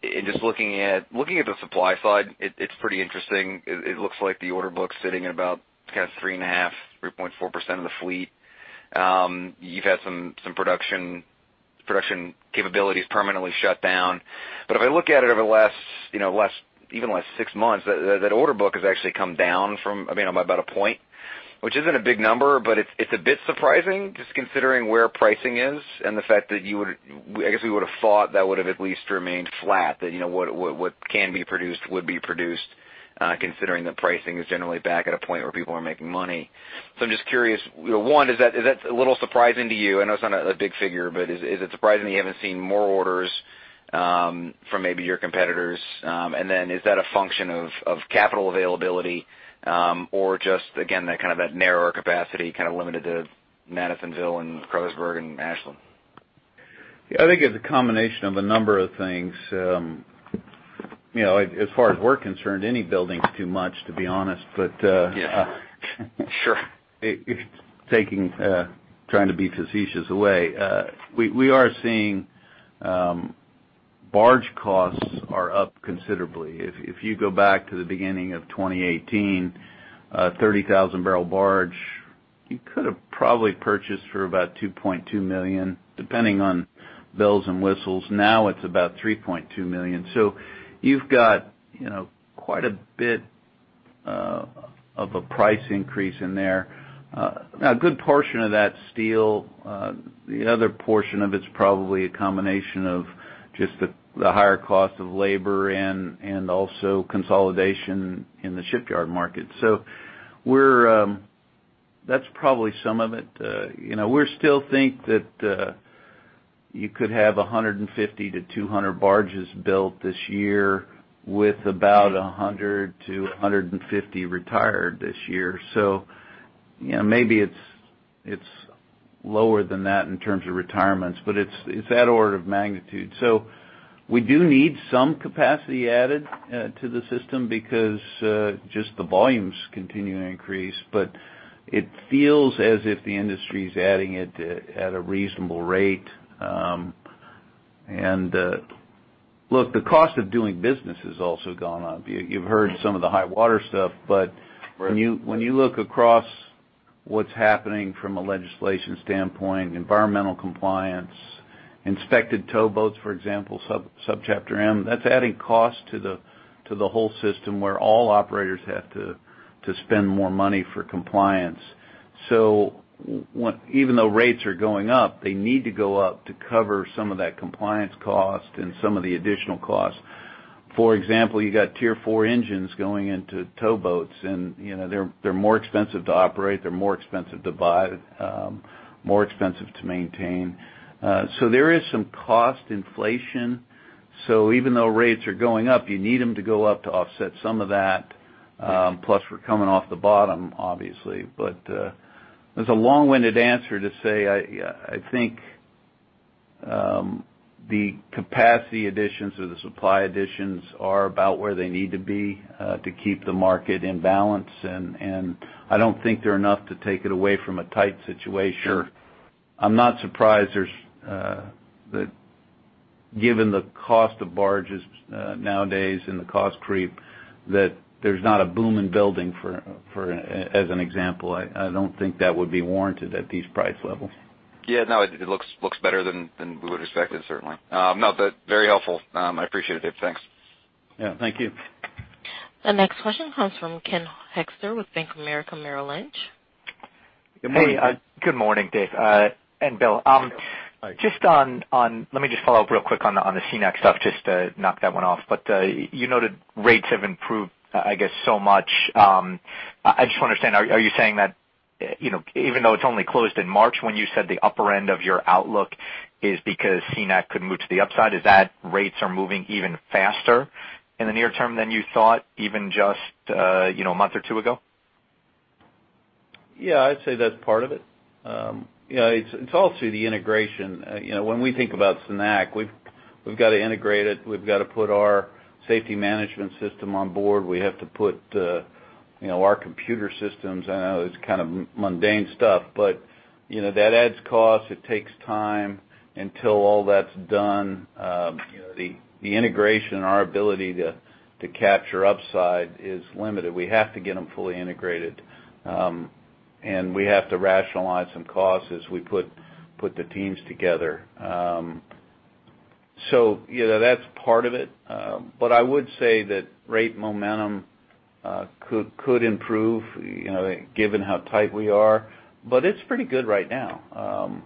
in just looking at the supply side, it's pretty interesting. It looks like the order book's sitting at about kind of 3.5, 3.4% of the fleet. You've had some production capabilities permanently shut down. But if I look at it over the last, you know, even last six months, that order book has actually come down from, I mean, about a point, which isn't a big number, but it's a bit surprising, just considering where pricing is and the fact that you would... I guess, we would've thought that would have at least remained flat, that, you know, what can be produced, would be produced, considering that pricing is generally back at a point where people are making money. So I'm just curious, one, is that a little surprising to you? I know it's not a big figure, but is it surprising that you haven't seen more orders from maybe your competitors? And then is that a function of capital availability, or just, again, that kind of narrower capacity, kind of limited to Madisonville and Caruthersville and Ashland City? I think it's a combination of a number of things. You know, as far as we're concerned, any building's too much, to be honest, but, Yeah, sure. Taking, trying to be facetious away. We are seeing barge costs are up considerably. If you go back to the beginning of 2018, 30,000-barrel barge, you could have probably purchased for about $2.2 million, depending on bells and whistles. Now it's about $3.2 million. So you've got, you know, quite a bit of a price increase in there. A good portion of that, steel, the other portion of it's probably a combination of just the higher cost of labor and also consolidation in the shipyard market. So we're... That's probably some of it. You know, we still think that you could have 150-200 barges built this year with about 100-150 retired this year. So, you know, maybe it's lower than that in terms of retirements, but it's that order of magnitude. So we do need some capacity added to the system because just the volumes continue to increase, but it feels as if the industry's adding it at a reasonable rate. And look, the cost of doing business has also gone up. You've heard some of the high water stuff, but- Right When you look across what's happening from a legislation standpoint, environmental compliance, inspected towboats, for example, Subchapter M, that's adding cost to the whole system, where all operators have to spend more money for compliance. So even though rates are going up, they need to go up to cover some of that compliance cost and some of the additional costs. For example, you got Tier 4 engines going into towboats, and, you know, they're more expensive to operate, they're more expensive to buy, more expensive to maintain. So there is some cost inflation. So even though rates are going up, you need them to go up to offset some of that. Plus we're coming off the bottom, obviously. But, there's a long-winded answer to say, I think, the capacity additions or the supply additions are about where they need to be, to keep the market in balance. And, I don't think they're enough to take it away from a tight situation. Sure. I'm not surprised that, given the cost of barges nowadays and the cost creep, that there's not a boom in building for, as an example. I don't think that would be warranted at these price levels. Yeah, no, it looks better than we would expect it, certainly. No, but very helpful. I appreciate it, Dave. Thanks. Yeah, thank you. The next question comes from Ken Hoexter with Bank of America Merrill Lynch. Good morning. Hey, good morning, Dave, and Bill. Just on—let me just follow up real quick on the Cenac stuff, just to knock that one off. But, you noted rates have improved, I guess, so much. I just want to understand, are you saying that, you know, even though it's only closed in March, when you said the upper end of your outlook is because Cenac could move to the upside, is that rates are moving even faster in the near term than you thought, even just, you know, a month or two ago? Yeah, I'd say that's part of it. You know, it's also the integration. You know, when we think about Cenac, we've got to integrate it. We've got to put our safety management system on board. We have to put our computer systems. I know it's kind of mundane stuff, but you know, that adds cost. It takes time until all that's done. You know, the integration and our ability to capture upside is limited. We have to get them fully integrated, and we have to rationalize some costs as we put the teams together. So, you know, that's part of it. But I would say that rate momentum could improve, you know, given how tight we are, but it's pretty good right now.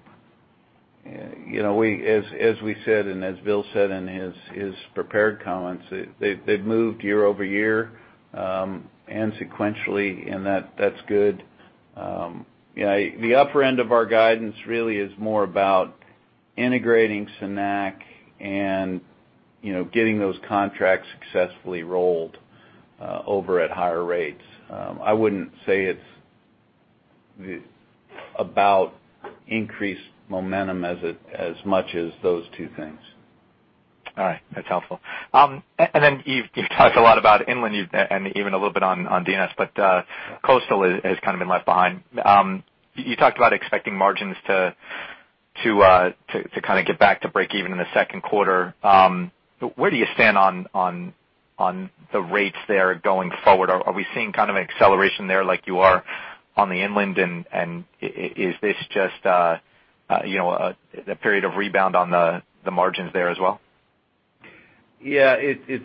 You know, as we said, and as Bill said in his prepared comments, they've moved year over year and sequentially, and that's good. Yeah, the upper end of our guidance really is more about integrating Cenac and, you know, getting those contracts successfully rolled over at higher rates. I wouldn't say it's about increased momentum as much as those two things. All right. That's helpful. And then you've talked a lot about inland, and even a little bit on D&S, but coastal has kind of been left behind. You talked about expecting margins to kind of get back to break even in the second quarter. Where do you stand on the rates there going forward? Are we seeing kind of an acceleration there like you are on the inland, and is this just, you know, a period of rebound on the margins there as well? Yeah, it's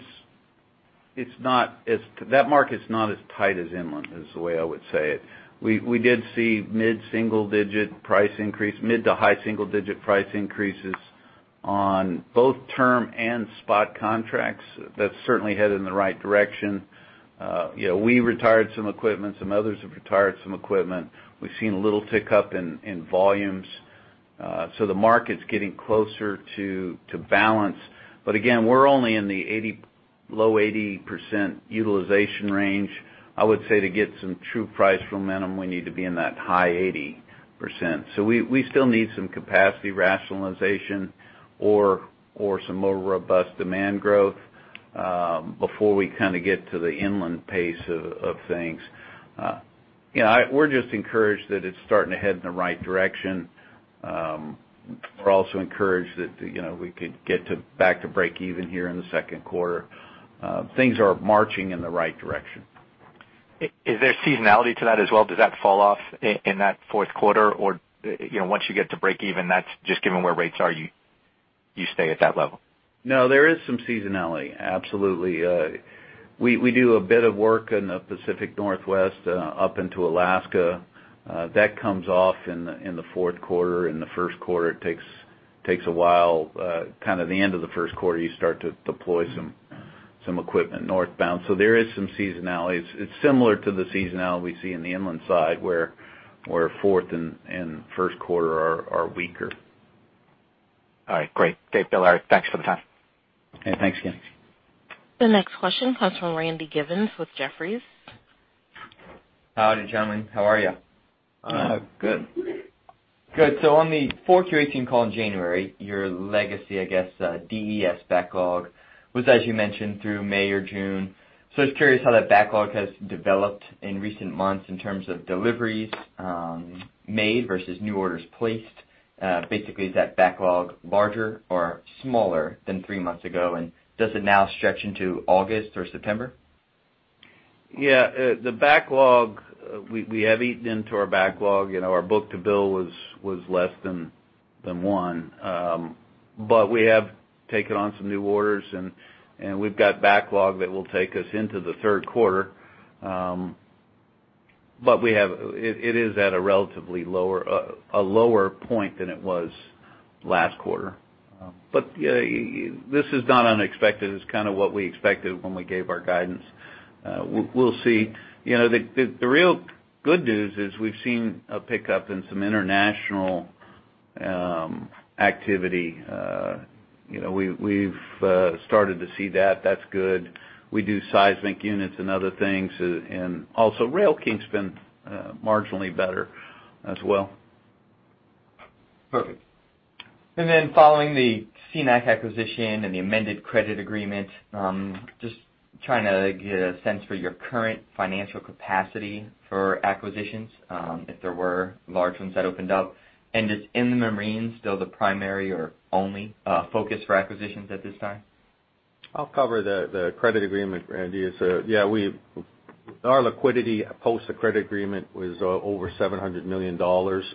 not as—that market's not as tight as inland, is the way I would say it. We did see mid-single-digit price increase, mid- to high-single-digit price increases on both term and spot contracts. That's certainly headed in the right direction. You know, we retired some equipment, some others have retired some equipment. We've seen a little tick up in volumes. So the market's getting closer to balance. But again, we're only in the low 80% utilization range. I would say to get some true price momentum, we need to be in that high 80%. So we still need some capacity rationalization or some more robust demand growth, before we kind of get to the inland pace of things. You know, we're just encouraged that it's starting to head in the right direction. We're also encouraged that, you know, we could get to back to break even here in the second quarter. Things are marching in the right direction. Is there seasonality to that as well? Does that fall off in that fourth quarter? Or, you know, once you get to break even, that's just given where rates are, you stay at that level. No, there is some seasonality, absolutely. We do a bit of work in the Pacific Northwest, up into Alaska. That comes off in the fourth quarter. In the first quarter, it takes a while. Kind of the end of the first quarter, you start to deploy some equipment northbound. So there is some seasonality. It's similar to the seasonality we see in the inland side, where fourth and first quarter are weaker. All right, great. Great, Bill. Thanks for the time. Yeah, thanks again. The next question comes from Randy Givens with Jefferies. Howdy, gentlemen. How are you? Uh, good. Good. So on the fourth Q eighteen call in January, your legacy, I guess, DES backlog was, as you mentioned, through May or June. So I was curious how that backlog has developed in recent months in terms of deliveries, made versus new orders placed. Basically, is that backlog larger or smaller than three months ago, and does it now stretch into August or September? Yeah, the backlog, we have eaten into our backlog. You know, our book-to-bill was less than one. But we have taken on some new orders, and we've got backlog that will take us into the third quarter. But we have... It is at a relatively lower, a lower point than it was last quarter. But, yeah, this is not unexpected. It's kind of what we expected when we gave our guidance. We'll see. You know, the really good news is we've seen a pickup in some international activity. You know, we've started to see that. That's good. We do seismic units and other things, and also Rail King's been marginally better as well. Perfect. And then following the Cenac acquisition and the amended credit agreement, just trying to get a sense for your current financial capacity for acquisitions, if there were large ones that opened up. Is inland marine still the primary or only focus for acquisitions at this time? I'll cover the credit agreement, Randy. So yeah, our liquidity post the credit agreement was over $700 million.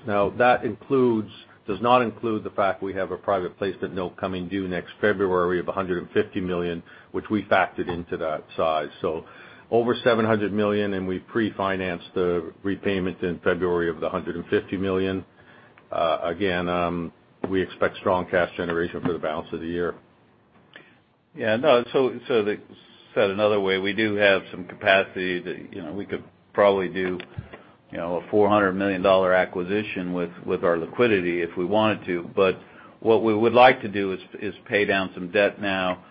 Now, that includes, does not include the fact we have a private placement note coming due next February of $150 million, which we factored into that size. So over $700 million, and we pre-financed the repayment in February of the $150 million. Again, we expect strong cash generation for the balance of the year. Yeah, no, so said another way, we do have some capacity that, you know, we could probably do, you know, a $400 million acquisition with our liquidity if we wanted to. But what we would like to do is pay down some debt now.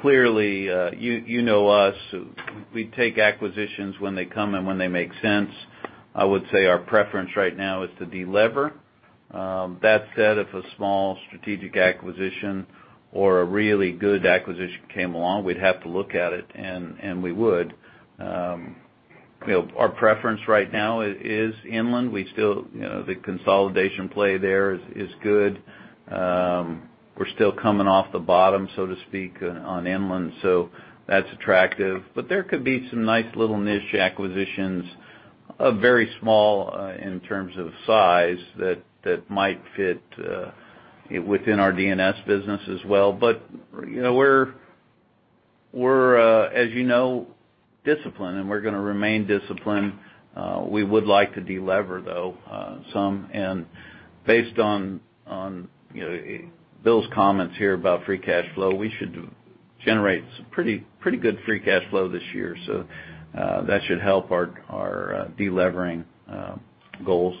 Clearly, you know us, we take acquisitions when they come and when they make sense. I would say our preference right now is to delever. That said, if a small strategic acquisition or a really good acquisition came along, we'd have to look at it, and we would. You know, our preference right now is inland. We still, you know, the consolidation play there is good. We're still coming off the bottom, so to speak, on inland, so that's attractive. But there could be some nice little niche acquisitions, very small, in terms of size, that might fit within our DNS business as well. But, you know, we're, as you know, disciplined, and we're gonna remain disciplined. We would like to delever, though, some. And based on, you know, Bill's comments here about free cash flow, we should generate some pretty, pretty good free cash flow this year. So, that should help our delevering goals.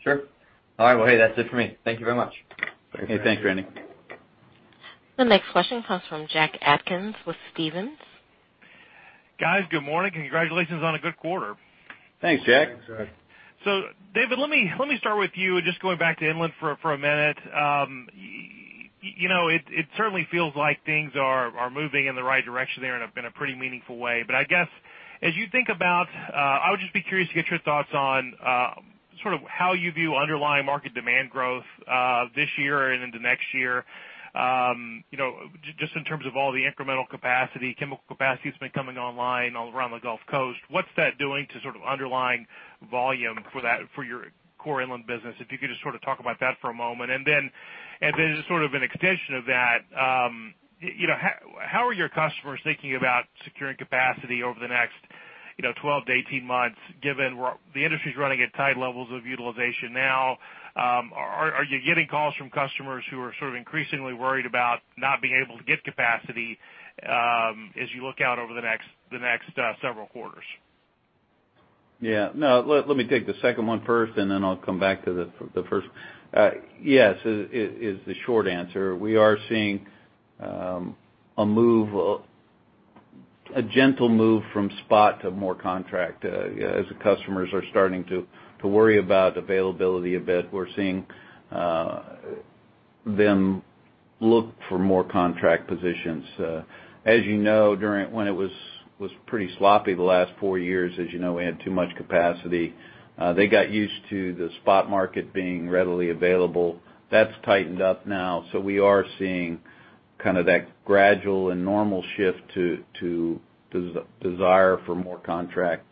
Sure. All right, well, hey, that's it for me. Thank you very much. Hey, thanks, Randy. The next question comes from Jack Atkins with Stephens. Guys, good morning, congratulations on a good quarter. Thanks, Jack. Thanks, Jack. So David, let me, let me start with you, just going back to inland for, for a minute. You know, it, it certainly feels like things are, are moving in the right direction there and have been a pretty meaningful way. But I guess, as you think about—I would just be curious to get your thoughts on, sort of how you view underlying market demand growth, this year and into next year. You know, just in terms of all the incremental capacity, chemical capacity that's been coming online all around the Gulf Coast, what's that doing to sort of underlying volume for that, for your core inland business? If you could just sort of talk about that for a moment. Then just sort of an extension of that, you know, how are your customers thinking about securing capacity over the next, you know, 12-18 months, given the industry's running at tight levels of utilization now? Are you getting calls from customers who are sort of increasingly worried about not being able to get capacity, as you look out over the next several quarters? Yeah. No, let me take the second one first, and then I'll come back to the first. Yes, is the short answer. We are seeing a move, a gentle move from spot to more contract. As the customers are starting to worry about availability a bit, we're seeing them look for more contract positions. As you know, during when it was pretty sloppy the last four years, as you know, we had too much capacity. They got used to the spot market being readily available. That's tightened up now, so we are seeing kind of that gradual and normal shift to desire for more contract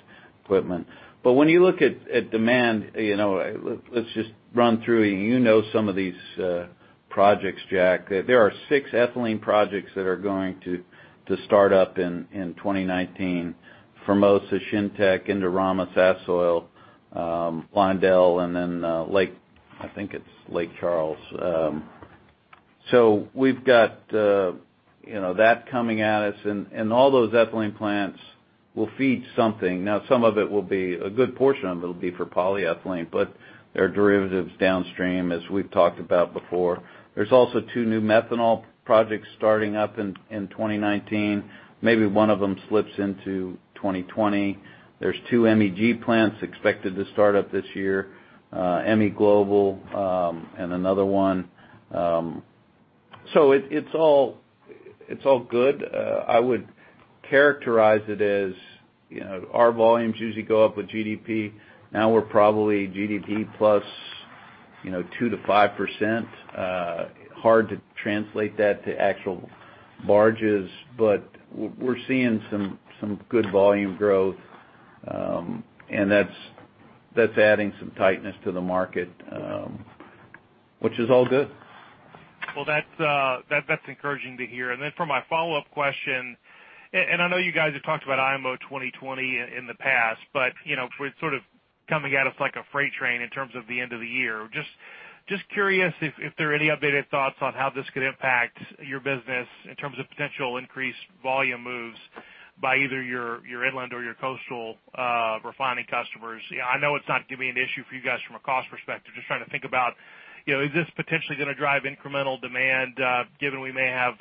equipment. But when you look at demand, you know, let's just run through it. You know some of these projects, Jack. There are six ethylene projects that are going to start up in 2019: Formosa, Shintech, Indorama, Sasol, Lyondell, and then Lake Charles. I think it's Lake Charles. So we've got, you know, that coming at us, and all those ethylene plants will feed something. Now, some of it will be a good portion of it will be for polyethylene, but there are derivatives downstream, as we've talked about before. There's also two new methanol projects starting up in 2019. Maybe one of them slips into 2020. There's two MEG plants expected to start up this year, MEGlobal, and another one. So it's all good. I would characterize it as, you know, our volumes usually go up with GDP. Now we're probably GDP plus, you know, 2%-5%. Hard to translate that to actual barges, but we're seeing some good volume growth, and that's adding some tightness to the market, which is all good. Well, that's encouraging to hear. And then for my follow-up question, and I know you guys have talked about IMO 2020 in the past, but you know, for sort of coming at us like a freight train in terms of the end of the year. Just curious if there are any updated thoughts on how this could impact your business in terms of potential increased volume moves by either your inland or your coastal refining customers? Yeah, I know it's not gonna be an issue for you guys from a cost perspective. Just trying to think about, you know, is this potentially gonna drive incremental demand, given we may have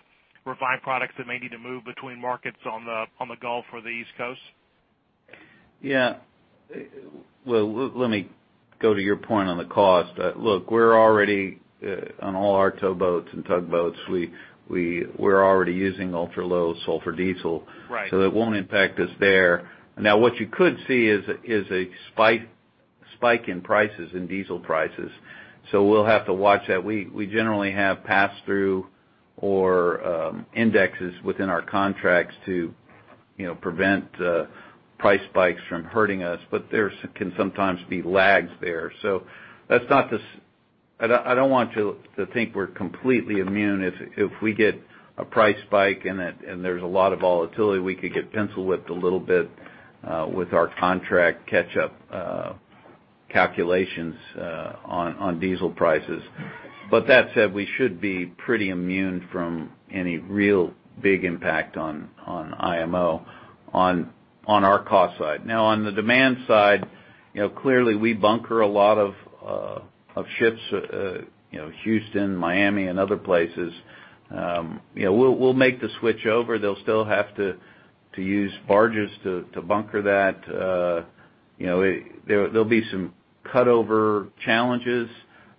refined products that may need to move between markets on the Gulf or the East Coast? Yeah. Well, let me go to your point on the cost. Look, we're already on all our towboats and tugboats, we're already using ultra-low sulfur diesel. Right. So it won't impact us there. Now, what you could see is a spike in diesel prices, so we'll have to watch that. We generally have pass-through or indexes within our contracts to, you know, prevent price spikes from hurting us, but there can sometimes be lags there. So that's not the—I don't want to think we're completely immune. If we get a price spike and there's a lot of volatility, we could get pencil-whipped a little bit with our contract catch-up calculations on diesel prices. But that said, we should be pretty immune from any real big impact on IMO on our cost side. Now, on the demand side, you know, clearly, we bunker a lot of, of ships, you know, Houston, Miami, and other places. You know, we'll, we'll make the switch over. They'll still have to, to use barges to, to bunker that. You know, there, there'll be some cut-over challenges,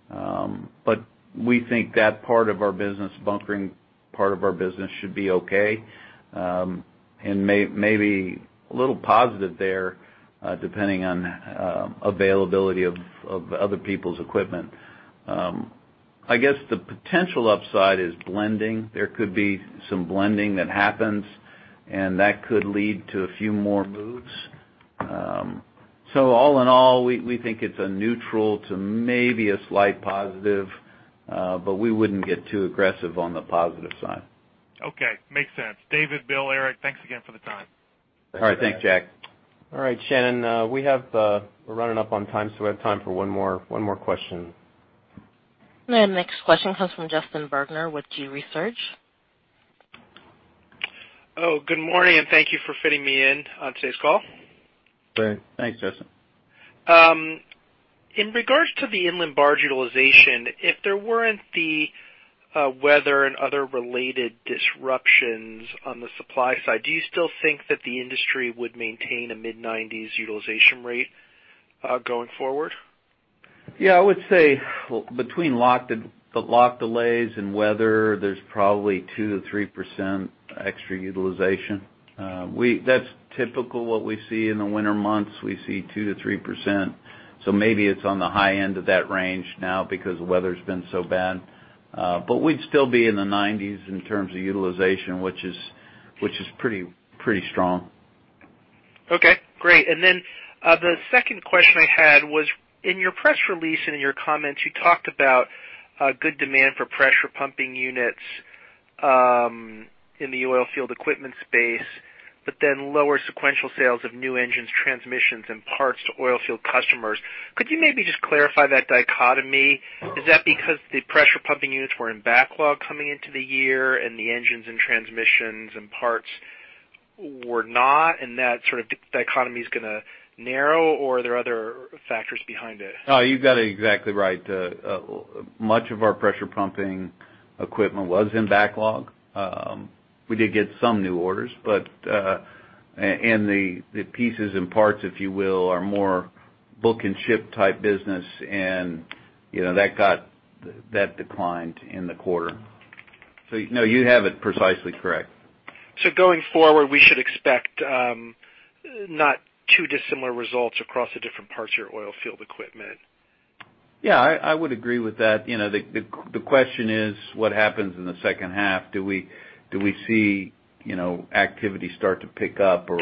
but we think that part of our business, bunkering part of our business, should be okay, and maybe a little positive there, depending on, availability of, of other people's equipment. I guess the potential upside is blending. There could be some blending that happens, and that could lead to a few more moves. So all in all, we, we think it's a neutral to maybe a slight positive, but we wouldn't get too aggressive on the positive side. Okay, makes sense. David, Bill, Eric, thanks again for the time. All right. Thanks, Jack. All right, Shannon. We're running up on time, so we have time for one more, one more question. Our next question comes from Justin Bergner with G.research. Oh, good morning, and thank you for fitting me in on today's call. Great. Thanks, Justin. In regards to the inland barge utilization, if there weren't the weather and other related disruptions on the supply side, do you still think that the industry would maintain a mid-90s utilization rate, going forward? Yeah, I would say between lock and the lock delays and weather, there's probably 2%-3% extra utilization. That's typical what we see in the winter months. We see 2%-3%, so maybe it's on the high end of that range now because the weather's been so bad. But we'd still be in the 90s in terms of utilization, which is, which is pretty, pretty strong. Okay, great. And then, the second question I had was, in your press release and in your comments, you talked about, good demand for pressure pumping units, in the oil field equipment space, but then lower sequential sales of new engines, transmissions, and parts to oil field customers. Could you maybe just clarify that dichotomy? Is that because the pressure pumping units were in backlog coming into the year, and the engines and transmissions and parts were not, and that sort of dichotomy is gonna narrow, or are there other factors behind it? No, you got it exactly right. Much of our pressure pumping equipment was in backlog. We did get some new orders, but the pieces and parts, if you will, are more book and ship type business, and, you know, that got, that declined in the quarter. So no, you have it precisely correct. So going forward, we should expect not two dissimilar results across the different parts of your oil field equipment? Yeah, I would agree with that. You know, the question is, what happens in the second half? Do we see, you know, activity start to pick up? Or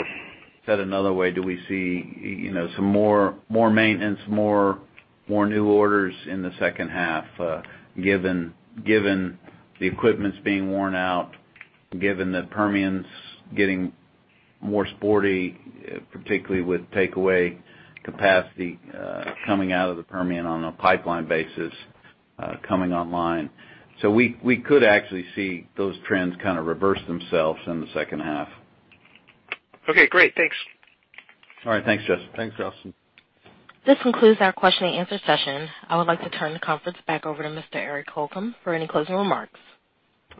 said another way, do we see, you know, some more maintenance, more new orders in the second half, given the equipment's being worn out, given that Permian's getting more sporty, particularly with takeaway capacity coming out of the Permian on a pipeline basis, coming online. So we could actually see those trends kind of reverse themselves in the second half. Okay, great. Thanks. All right. Thanks, Justin. Thanks, Justin. This concludes our question and answer session. I would like to turn the conference back over to Mr. Eric Holcomb for any closing remarks.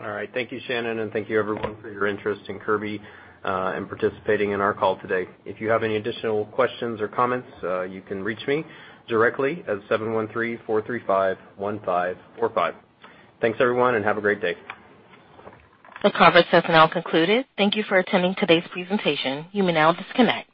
All right. Thank you, Shannon, and thank you everyone for your interest in Kirby, and participating in our call today. If you have any additional questions or comments, you can reach me directly at 713-435-1545. Thanks, everyone, and have a great day. The conference has now concluded. Thank you for attending today's presentation. You may now disconnect.